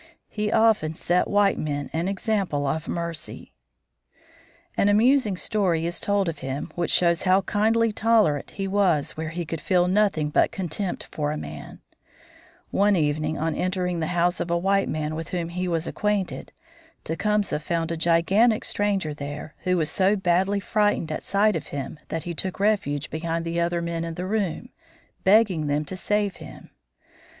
He often set white men an example of mercy. An amusing story is told of him, which shows how kindly tolerant he was where he could feel nothing but contempt for a man: One evening on entering the house of a white man with whom he was acquainted, Tecumseh found a gigantic stranger there, who was so badly frightened at sight of him that he took refuge behind the other men in the room, begging them to save him.